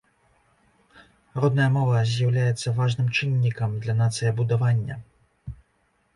Родная мова з'яўляецца важным чыннікам для нацыябудавання.